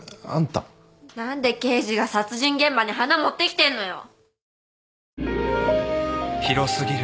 何で刑事が殺人現場に花持ってきてんのよ？